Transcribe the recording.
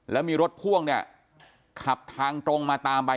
แล้วมีรถภ่วงขับทางตรงมาตามไป